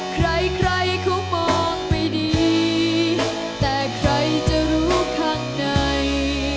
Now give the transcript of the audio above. ใครใครเขามองไม่ดีแต่ใครจะรู้ข้างใน